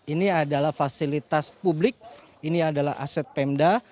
ini adalah fasilitas publik ini adalah aset pemda